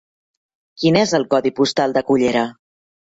Quin és el codi postal de Cullera?